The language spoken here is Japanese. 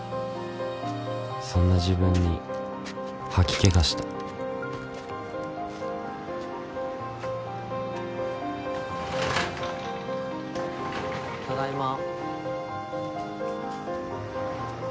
そんな自分に吐き気がしたただいま。